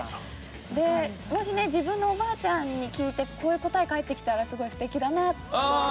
もしね自分のおばあちゃんに聞いてこういう答え返ってきたらすごい素敵だなと思って。